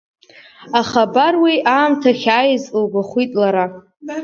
Аха абар уи аамҭа ахьааиз лгәахәит лара.